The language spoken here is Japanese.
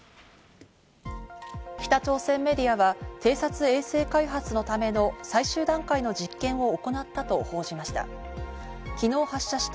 北朝鮮メディアは偵察衛星開発のための、最終段階の実験を行ったと報じました。